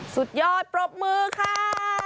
สุดยอดปรบมือค่ะ